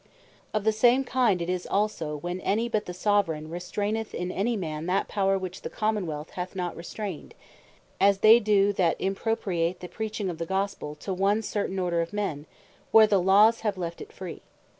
Of the same kind it is also, when any but the Soveraign restraineth in any man that power which the Common wealth hath not restrained: as they do, that impropriate the Preaching of the Gospell to one certain Order of men, where the Laws have left it free.